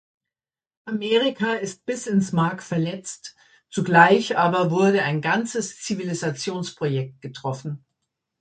Amerika ist bis ins Mark verletzt, zugleich aber wurde ein ganzes Zivilisationsprojekt getroffen.